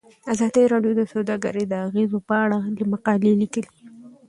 ازادي راډیو د سوداګري د اغیزو په اړه مقالو لیکلي.